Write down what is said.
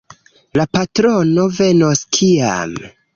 La patrono venos kiam?